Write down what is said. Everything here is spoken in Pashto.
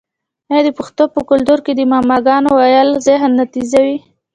آیا د پښتنو په کلتور کې د معما ګانو ویل ذهن نه تیزوي؟